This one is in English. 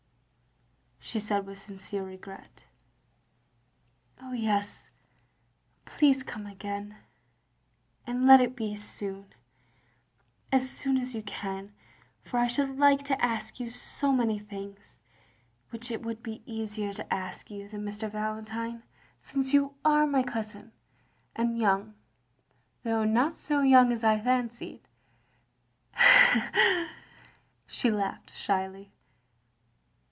she said with sincere regret. "Oh yes, please come again, and let it be soon, as soon as you can ; for I should like to ask you so many things, which it would be easier to ask OP GROSVENOR SQUARE 123 you than Mr. Valentine, since you are my cousin, and young — ^though not so young as I fancied," she laughed shyly.